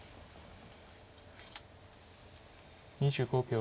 ２５秒。